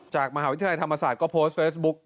มหาวิทยาลัยธรรมศาสตร์ก็โพสต์เฟซบุ๊ก